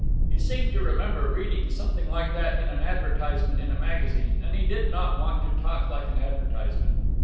He seemed to remember reading something like that in an advertisement in a magazine, and he did not want to talk like an advertisement.